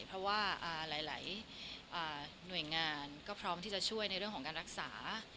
เพราะว่าหลายหน่วยงานก็พร้อมที่จะช่วยในเรื่องของการรักษา